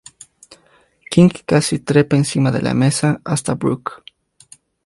King casi trepa encima de la mesa hasta Brooke.